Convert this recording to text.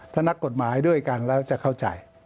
ถ้านักกฎหมายด้วยกันแล้วจะเข้าใจ